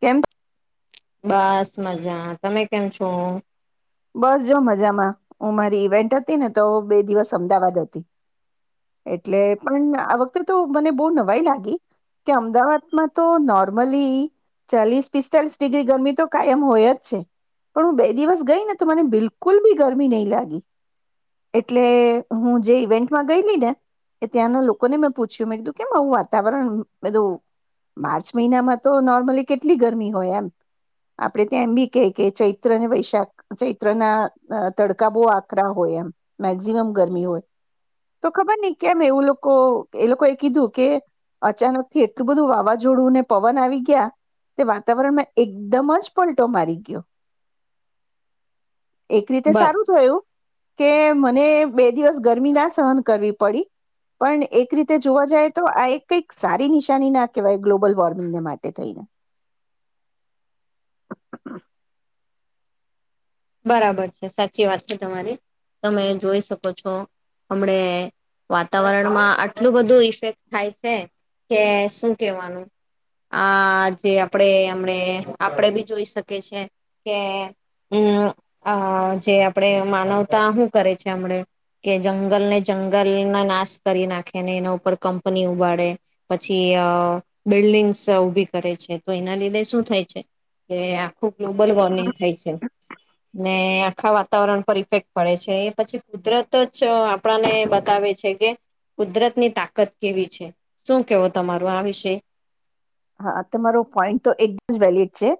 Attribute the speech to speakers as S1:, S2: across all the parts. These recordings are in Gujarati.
S1: કેમ
S2: બસ મજા તમે કેમ છો?
S1: બસ જો મજામાં હું મારી ઇવેન્ટ હતી ને તો બે દિવસ અમદાવાદ હતી એટલે પણ આ વખતે તો મને બો નવાઈ લાગી કે અમદાવાદમાં તો નોર્મલી ચાલીસ પિસ્તાલીસ ડિગ્રી ગરમી તો કાયમ હોય જ છે પણ હું બે દિવસ ગઈ ને તો મને બિલકુલ બી ગરમી નહી લાગી એટલે હું જે ઇવેન્ટમાં ગયેલી ને એ ત્યાંના લોકોને મેં પૂછ્યું મેં કીધું કેમ આવું વાતાવરણ મે કીધું માર્ચ મહિનામાં તો નોર્મલી કેટલી ગરમી હોય એમ આપડે ત્યાં એમ બી કેય કે ચૈત્ર્ અને વૈશાખ ચૈત્ર ના તડકા બો આકરા હોય એમ મેક્ઝિમમ ગરમી હોય તો ખબર નઈ કે એમ એવું લોકો એ લોકોએ કીધું કે અચાનકથી એટલું બધું વાવાઝોડુંને પવન આવી ગયા તે વાતાવરણમાં એકદમ જ પલટો મારી ગયો. એક રીતે
S2: બ
S1: સારું થયું કે મને બે દિવસ ગરમી ના સહન કરવી પડી પણ એક રીતે જોવા જાય તો આ એક કઈક સારી નિશાની ના કહેવાય ગ્લોબલ વોર્મિંગને માટે થઈને
S2: બરાબર છે. સાચી વાત છે તમારી તમે જોઈ શકો છો હમણે વાતાવરણમાં આટલું બધું ઇફેક્ટ થાય છે કે શું કેવાનું આ જે આપણે હમડે આપડે બી જોઈ શકીએ છે કે હમ અ જે આપણે માનવતા હું કરે છે હમણે કે જંગલને જંગલનો નાશ કરી નાખે ને એના ઉપર કંપની ઉગાડે પછી બિલ્ડિંગ્સ ઊભી કરે છે તો એના લીધે શું થાય છે કે આખું ગ્લોબલ વોર્મિંગ થાય છે. ને આખા વાતાવરણ પર ઇફેક્ટ પડે છે એ પછી કુદરત જ આપણને બતાવે છે કે કુદરત ની તાકત કેવી છે. શું કેવો તમારું આ વિષય?
S1: હા તમારો પોઈન્ટ તો એકદમ જ વેલિડ છે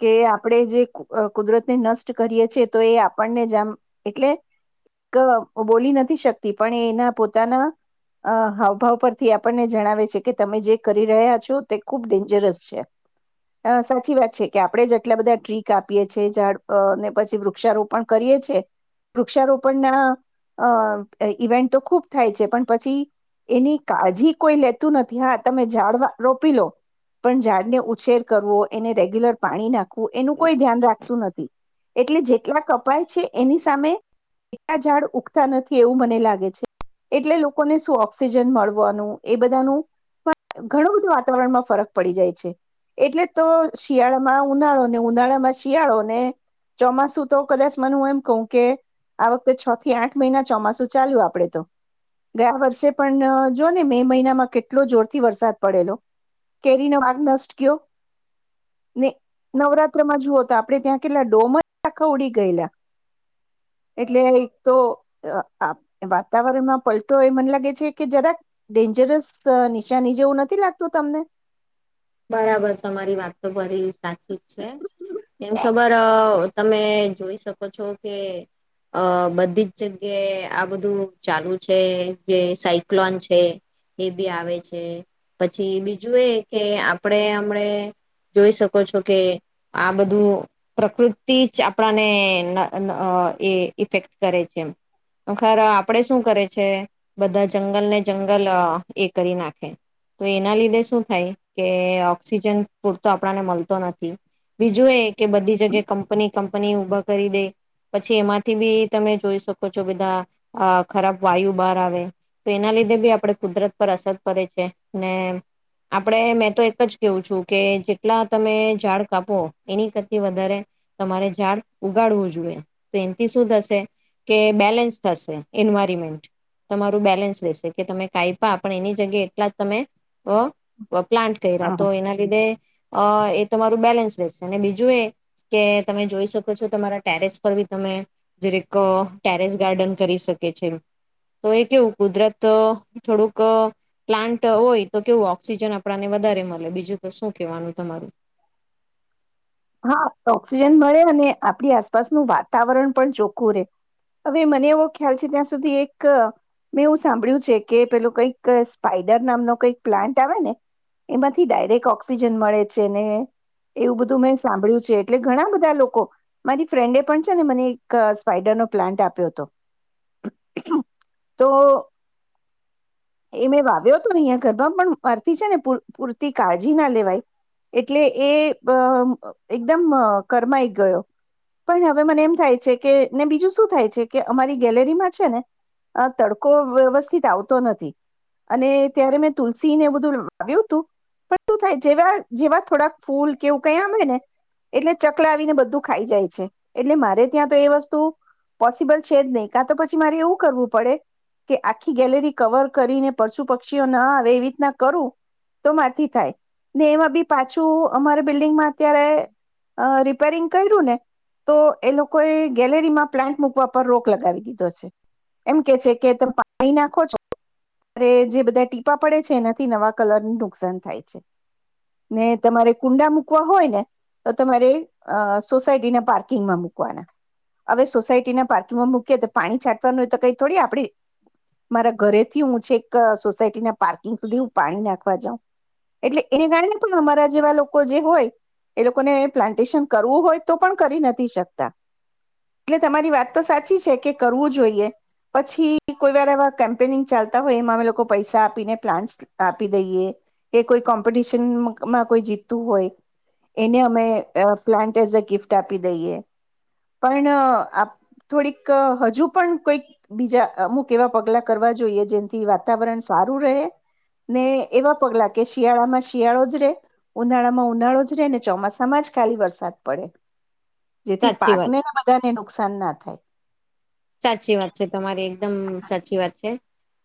S1: કે આપણે જે કુદરતને નષ્ટ કરીએ છીએ તો એ આપણને જ એમ એટલે એ બોલી નથી શકતી પણ એ એના પોતાના હાવભાવ પરથી આપણને જણાવે છે કે તમે જે કરી રહ્યા છો તે ખૂબ ડેન્જરસ છે. હા સાચી વાત છે કે આપણે જે આટલા બધા ટ્રીક આપીએ છીએ ઝાડને પછી વૃક્ષારોપણ કરીએ છે વૃક્ષારોપણના અ ઇવેન્ટ તો ખૂબ થાય છે પણ પછી એની કાળજી કોઈ લેતું નથી હા તમે ઝાડ રોપી લો. પણ ઝાડને ઉછેર કરવો, એને રેગ્યુલર પાણી નાખવું એનું કોઈ ધ્યાન રાખતું નથી એટલે જેટલા કપાય છે એની સામે એટલા ઝાડ ઉગતા નથી એવું મને લાગે છે એટલે લોકોને શું ઓક્સિજન મળવાનું એ બધાનું ઘણું બધું વાતાવરણમાં ફરક પડી જાય છે એટલે તો શિયાળામાં ઉનાળોને ઉનાળામાં શિયાળો ને ચોમાસુ તો કદાચ મને એમ કહ કે આ વખતે છ થી આઠ મહિના ચોમાસું ચાલ્યું આપણે તો ગયા વર્ષે પણ જો ને મે મહિનામાં કેટલો જોરથી વરસાદ પડેલો. કેરીનો વાગ નષ્ટ ગયો ને નવરાત્રમાં જુઓ તો આપડે ત્યાં કેટલા ડોમ આ ઉડી ગયેલા એટલે એક તો વાતાવરણમાં પલટો એ મને લાગે છે કે જરાક ડેન્જરસ નિશાની જેવું નથી લાગતું. તમને
S2: બરાબર તમારી વાત તો ફરી સાચી જ છે. એમ ખબર તમે જોઈ શકો છો કે અ બધી જ જગ્યાએ આ બધું ચાલુ છે જે સાયક્લોન છે એ બી આવે છે પછી બીજું એ કે આપ આપણે હમને જોઈ શકો છો કે આ બધું પ્રકૃતિ જ આપણાને અ અ એ ઇફેક્ટ કરે છે ખર આપણેે શું કરે છે. બધા જંગલ ને જંગલ એ કરી નાખે તો એના લીધે શું થાય કે ઓક્સિજન પૂરતો આપણને મળતો નથી. બીજું એ કે બધી જગ્યાએ કંપની કંપની ઊભા કરી દે પછી એમાંથી બી તમે જોઈ શકો છો બધા ખરાબ વાયુ બહાર આવે તો એના લીધે બી આપણે કુદરત પર અસર કરે છે ને આપણે તો એક જ કેવું છું કે જેટલા તમે ઝાડ કાપો એની કરતા વધારે તમારે ઝાડ ઉગાડવું જોઈએ તો એનાથી શું થશે કે બેલેન્સ થશે એન્વાયરમેન્ટ તમારું બેલેન્સ રહેેશે કે તમે કાયપા પણ એની જગ્યાએ એટલા જ તમે પ્લાન્ટ અ વપલાયા કર્યા તો એના લીધે અ એ તમારું બેલેન્સ રહેશે અને બીજું એ કે તમે જોઈ શકો છો. તમારા ટેરેસ પર બી તમે જેરેક ટેરેસ ગાર્ડન કરી શકે છે તો એ કેવું કુદરત થોડુંક પ્લાન્ટ હોય તો કેવું ઓક્સિજન આપણા વધારે મળે બીજું તો શું કેવાનું તમારું?
S1: હા ઓક્સિજન મળે અને આપણી આસપાસનું વાતાવરણ પણ ચોખ્ખું રે હવે મને એવો ખ્યાલ છે ત્યાં સુધી એક મેં એવું સાંભળ્યું છે કે પેલું કંઈક સ્પાઈડર નામનો કઈક પ્લાન્ટ આવે ને એમાંથી ડાયરેક્ટ ઓક્સિજન મળે છે ને એવું બધું મેં સાં સાભળ્યું છે એટલે ઘણા બધા લોકો મારી ફ્રેન્ડે પણ છે ને મને એક સ્પાઈડર નો પ્લાન્ટ આપ્યો હતો તો એ મેં વાવ્યો હતો ને અહંયા ઘરમાં પણ મારથી છે ને પૂરતી કાળજી ના લેવાય એટલે એ એકદમ કરમાઈ ગયો પણ હવે મને એમ થાય છે કે ને બીજું શું થાય છે કે અમારી ગેલેરીમાં છે ને આ તડકો વ્યવસ્થિત આવતો નથી અને ત્યારે મેં તુલસીને એ બધું વાવ્યું હતું પણ શું થાય જેવા જેવા થોડાક ફૂલ કેવું કઈ આવે ને એટલે ચકલા આવીને બધું ખાઈ જાય છે એટલે મારે ત્યાં તો એ વસ્તુ પોસિબલ છે જ નહીં કા તો પછી મારે એવું કરવું પડે કે આખી ગેલેરી કવર કરીને પસુ પક્ષીઓ ના આવે એવી રીતના કરું તો માર થી થાય ને એમાં બી પાછું અમારે બિલ્ડિંગમાં અત્યારે અ રિપેરિંગ કર્યું ને તો એ લોકોએ ગેલેરીમાં પ્લાન્ટ મૂકવા પર રોક લગાવી દીધો છે એમ કે છે કે તમે પાણી નાખો છો ત જે બધા ટીપા પડે છે. એનાથી નવા કલર નું નુકસાન થાય છે ને તમારે કુંડા મૂકવા હોય ને તો તમારે સોસાયટીના પાર્કિંગમાં મૂકવાના હવે સોસાયટીના પાર્કિંગમાં મૂકીએ તો પાણી છાંટવાનું એ તો કઈ થોડી આપડી મારા ઘરેથી હું છે એક સોસાયટી ના પાર્કિંગ સુધી હું પાણી નાખવા જાઉં એટલે એને કારણે પણ અમારા જેવા લોકો જે હોય એ લોકોને પ્લાન્ટેશન કરવું હોય તો પણ કરી નથી શકતા એટલે તમારી વાત તો સાચી છે કે કરવું જોઈએ પછી કોઈ વાર એવા કેમ્પેનિંગ ચાલતા હોય એમાં અમે લોકો પૈસા આપીને પ્લાન્ટસ આપી દઈએ કે કોઈ કોમ્પિટિશનમાં કોઈ જીતતું હોય એને અમે પ્લાન્ટ એઝ અ ગિફ્ટ આપી દઈએ પણ આ થોડીક હજુ પણ કોઈક બીજા અમુક એવા પગલા કરવા જોઈએ જેથી વાતાવરણ સારું રહે ને એવા પગલા કે શિયાળામાં શિયાળો જ રે ઉનાળામાં ઉનાળો જ ચોમાસામાં જ ખાલી વરસાદ પડે જેથી
S2: સાચી વાત
S1: પાકને ને બધાને એ નુકસાન ના થાય
S2: સાચી વાત છે તમારી એકદમ સાચી વાત છે.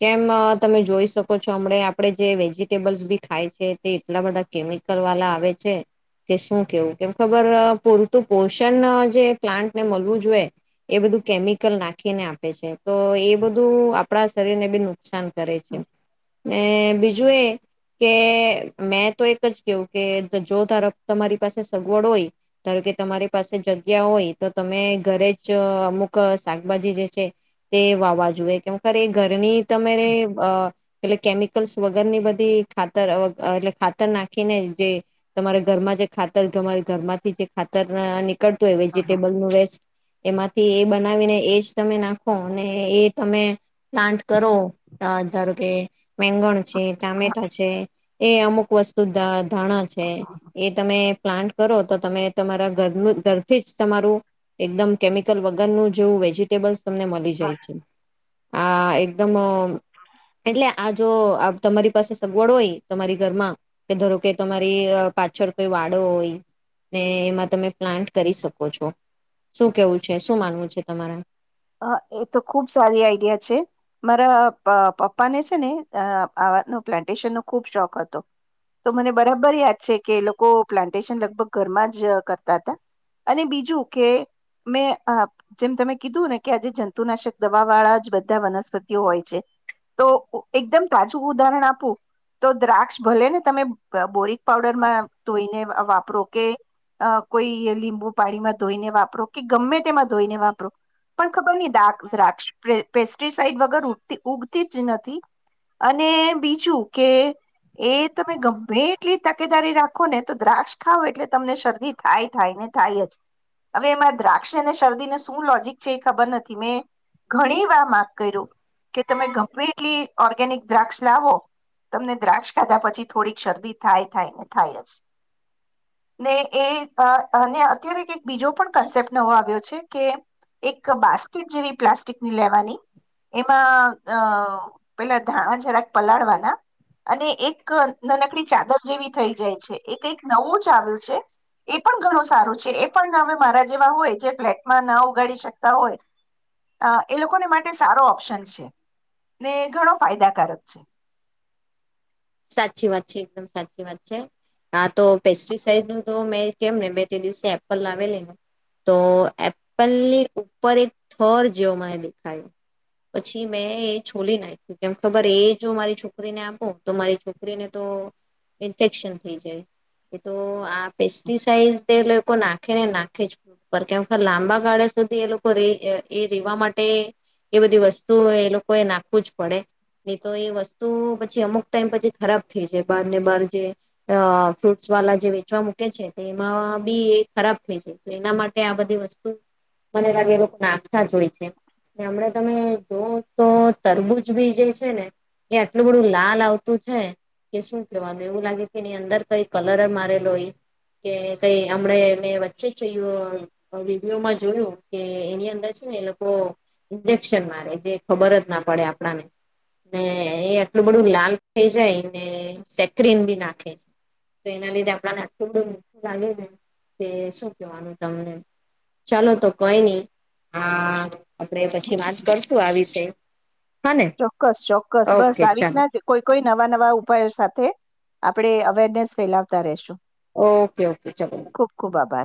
S2: કેમ તમે જોઈ શકો છો હમણા આપડે જે વેજીિટેબલ્સ બી ખાય છે તે એટલા બધા કેમિકલ વાળા આવે છે કે શું કેવું કેમ ખબર પૂરતું પોષન જે પ્લાન્ટને મળવું જોઈએ એ બધું કેમ નાખીને આપે છે તો એ બધું આપણા શરીર ને બન નુકસાન કરે છે અનેને બીજું એ કે મેં તો એક જ કેવું કે જો તાર તમારી પાસે સગવડ હોય ધાર કે તમારી પાસે જગ્યા હોય તો તમે ઘરે જ અમુક શાકભાજી જે છે તે વાવા જોએ કેમક એ ઘરની તમારે એટલે કેમિકલ્સ વગર ની બધી ખાતર એટલે ખાતર નાખીને જે તમારે ઘરમાં જે ખાતરરે ઘરમાંથી જે ખાતર કરતો હોય વેજીિટેબલ નું વેસ્ટ એમાંથી એ બનાવીને એજ તમે નાખો ને એ તમે પ્લાન્ટ કરો ધારો કે મેંગણ છે ટામેટા છે એ અમુક વસ્તુ ધાણા છે એ તમે પ્લાન્ટ કરો તો તમે તમારા ઘરનું ઘરથી જ તમારું એકદમ કેમિકલ વગરનું જેવું વેજ વિટેબસ તમને મળી જાય છે. હા એક એકદમ એટલે આ જો તમારી પાસે સગવડ હોય તમારી ઘરમાં કે ધારો કે તમારી પાછળ કોઈ વાડો હોય ને એમાં તમે પ્લાન્ટ કરી શકો છો શું કેવું છે શું માનવું છે તમારે
S1: હ એ તો ખુબ સારી આઈડિયા છે મારા પપ્પાને છે ને આવાનો પ્લાન્ટેશનનો ખુબ શોખ હતો તો મને બરાબર યાદ છે કે એ લોકો પ્લાન્ટેશન લગભગ ઘરમાં જ કરતા હતા અને બીજું કે મેં જેમ તમે કીધું ને કે આજે જંતુનાશક દવા વાળા જ બધા વનસ્પતિઓ હોય છે તો એકદમ તાજું ઉદાહરણ આપવું તો દ્રાક્ષ ભલે ને તમે બોરક પાવડરમાં ધોઈને વાપરો કે કોઈ લીંબુ પાણીમાં ધોઈને વાપરો કે ગમે તેમાં ધોઈને વાપરો પણ ખબર નહી દા દ્રાક્ષ પેસ્ટિસાઈડ વગર ઉગતી ઉગતી જ નથી અને બીજું કે એ તમે ગમે એટલી તકેદારી રાખો ને તો દ્રાક્ષ ખાાવ એટલે તમને શરદી થાય થાય ને થાય જ હવે એમાં દ્રાક્ષ અને શરદીને શું લોજિક ખબર નથી મેં ઘણી વાર માફ કર્યું કે તમે ગમ્પ્લીટલી ઓર્ગેનિક દ્રાક્ષ લાવો તમને દ્રાક્ષ ખાધા પછી થોડીક શરદી થાય થાયને થાય જ ને એ અને અત્યારે બીજો પણ કન્સેપ્ટ નવો આવ્યો છે કે એક બાસ્કેટ જેવી પ્લાસ્ટિકની લેવાની એમાં અ પેલા ધાણા જરાક પલાળવાના અને એક નનકડી ચાદર જેવી થઈ જાય છે એક એક નવો ચાવલ એ પણ ઘણું સારું છે એ પણ હવે મારા જેવા હોય જે ફ્લેટમાં નાવ વગાડી શકતા હોય એ લોકોને માટે સારો ઓપ્શન છે ને ઘણો ફાયદાકારક છે
S2: સાચી વાત છે એકદમ સાચી વાત છે હ તો પેસ્ટિસાઈડ નું તો મેં કેમ ને બે તે દિવસે એપલ લાવેલી તો એપલની ઉપર એક થર જેવો મને દેખાયો પછી મેં એ છોલી નાખ્યું કેમ ખબર એ જો મારી છોકરીને આપો તો મારી છોકરીને તો ઇન્ફેક્શન થઈ જાય એ તો પેસ્ટસાઈડ તે લોકો નાખે ને નાખે જ કે લાંબા ગાળા સુધી એ લોકો ર એ રેવા માટે એ બધી વસ્તુ એ લોકો એ નાખવું જ પડે નહી તો એ વસ્તુ પછી અમુક ટાઈમ પછી ખરાબ થઈ જાય બાર ને બાર જે ફ્રૂટ્સ વાલા જે વેચવા મૂકે છે તે એમાં બી એ ખરાબ થઈ જાય એના માટે આ બધી વસ્તુ મને લાગે એ લોકો નાખતા જ હોય છે હમ તમે જો તો તરબૂજ બી જે છે ને એ આટલું બડું લાલ આવતું શું કેવા એવું લાગે કે એની અંદર કઈ કલર મારેલો હોય કે કઈ હમ મે વચ્ચે વિડીયોમાં જોયું કે એની અંદર છે ને એ લોકો ઇન્જેક્શન મારે જે ખબર જ ના પડે આપણાને ને એ આટલું બધું લાલ થઈ જાયને સેકન બી નાખે છે તો એના લીધે આપને આ થોડું મીઠું લાગે ને કે શું કેવાનું તમને ચાલો તો કોઈ નહી આ આપણેે પછી વાત કરશું આ વિષ
S1: ચોક્કસ ચોક્કસ બસ આવી જ ના જ કોઈ કોઈ નવા નવા ઉપાયો સાથે આપણેે અવેરનેસ ફેલાવતા રહશું
S2: ઓકે ઓકે ચલો
S1: આભાર